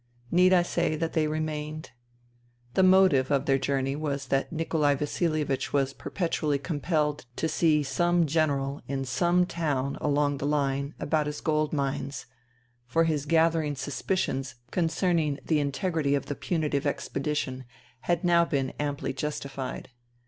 Need I say that they remained ? The motive of their journey was that Nikolai Vasilie vich was perpetually compelled to see some General in some town along the line about his gold mines, for his gathering suspicions concerning the integrity of the punitive expedition had now been amply justified.